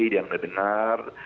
yang dia dengar